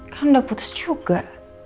kan udah putus juga